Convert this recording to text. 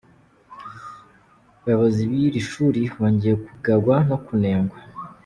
Abayobozi b’iri shuri bongewe kugawa no kunengwa .